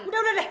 udah udah deh